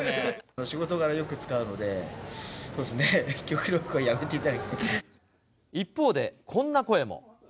仕事柄よく使うので、そうで一方で、こんな声も。